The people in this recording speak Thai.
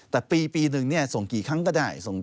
แต่ปีหนึ่งส่งกี่ครั้งก็ได้